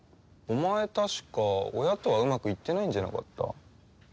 お前確か親とはうまくいってないんじゃなかった？